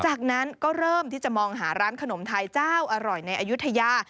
จากนั้นก็เริ่มที่จะมองหาร้านขนมไทยเจ้าอร่อยในอายุทยา